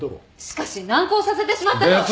しかし難航させてしまったのは。